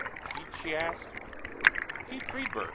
"Pete?" she asked. "Pete Friedburg.